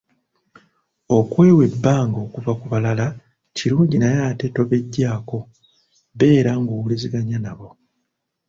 Okwewa ebbanga okuva ku balala kirungi naye ate tobeggyaako, beera ng’owuliziganya nabo.